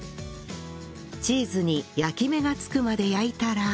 チーズに焼き目がつくまで焼いたら